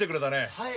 はい。